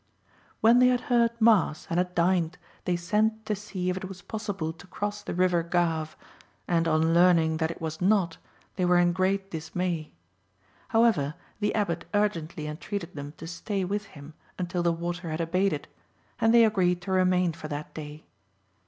When they had heard mass and had dined they sent to see if it was possible to cross the river Gave, and on learning that it was not, they were in great dismay. However, the Abbot urgently entreated them to stay with him until the water had abated, and they agreed to remain for that day.